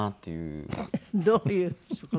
どういう事？